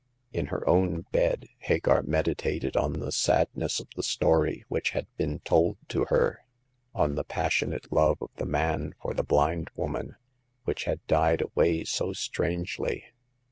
In her own bed, Hagar med itated on the sadness of the story which had been told to her, on the passionate love of the man for the blind woman, which had died away so strangely.